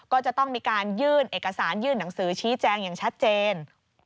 ก็จะต้องมีการยื่นเอกสารยื่นหนังสือชี้แจงอย่างชัดเจน